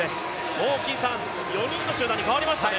もう金さん、４人の集団に変わりましたね。